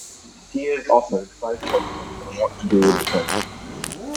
He is offered five choices on what to do with the treasure.